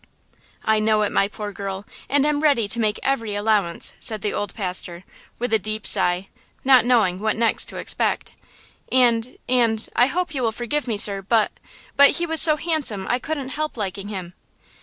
"I know it, my poor girl, and am ready to make every allowance," said the old pastor, with a deep sigh, not knowing what next to expect. "And–and–I hope you will forgive me, sir; but–but he was so handsome I couldn't help liking him!"